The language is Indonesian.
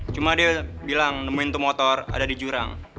cuma dia bilang nemuin itu motor ada di jurang